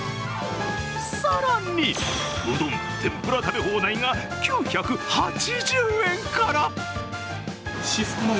更に、うどん・天ぷら食べ放題が９８０円から。